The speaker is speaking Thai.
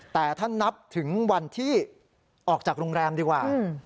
แต่ถ้านับถึงวันที่ออกจากโรงแรมดีกว่า